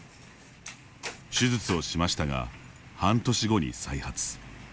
手術をしましたが、半年後に再発。